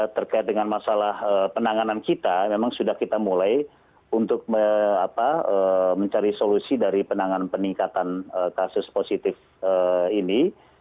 terkait dengan masalah penanganan kita memang sudah kita mulai untuk mencari solusi dari penanganan peningkatan kasus positif ini